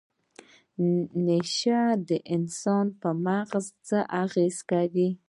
نشې د انسان په مغز څه اغیزه کوي؟